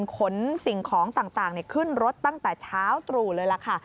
ขนสิ่งของต่างขึ้นรถตั้งแต่เช้าตรู่เลยล่ะค่ะ